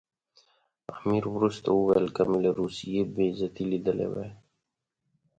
امیر وروسته وویل که مې له روسیې بې عزتي لیدلې وای.